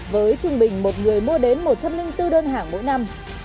với trung bình một người mua đến một trăm linh bốn đơn hàng mỗi năm